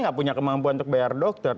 nggak punya kemampuan untuk bayar dokter